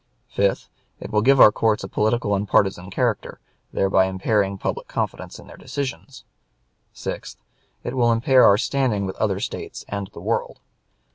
5th. It will give our courts a political and partisan character, thereby impairing public confidence in their decisions. 6th. It will impair our standing with other States and the world.